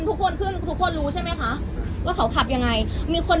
ทุกคนขึ้นทุกคนรู้ใช่ไหมคะว่าเขาขับยังไงมีคน